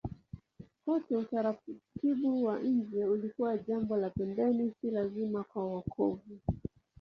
Kwake utaratibu wa nje ulikuwa jambo la pembeni, si lazima kwa wokovu.